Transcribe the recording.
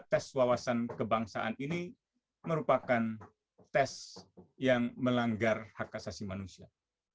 tes wawasan kebangsaan ini merupakan tes yang melanggar hak asasi manusia